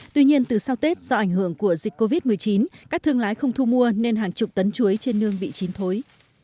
tuy nhiên từ sau tết do ảnh hưởng của dịch covid một mươi chín các thương lái không thu mua nên hàng chục tấn chuối trên nương bị chín thối